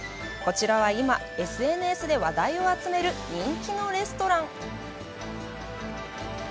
こちらは今、ＳＮＳで話題を集める人気のレストラン。